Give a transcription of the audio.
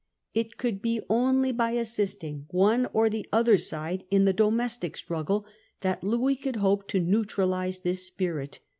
It could be only by assisting one or the other side in the domestic struggle that Louis could hope to neutralise this spirit.